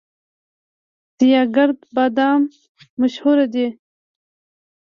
سیاه ګرد بادام مشهور دي؟